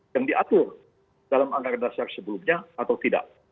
yang diatur dalam anggaran dasar sebelumnya atau tidak